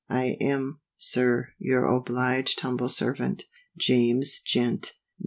I am, SIR, your obliged humble servant, JAMES GENT. No.